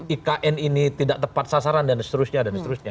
ikn ini tidak tepat sasaran dan seterusnya